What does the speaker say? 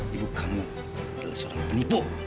ibu kamu adalah seorang penipu